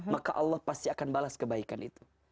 maka allah pasti akan balas kebaikan itu